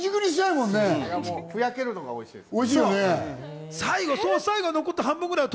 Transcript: ふやけるのがおいしいです。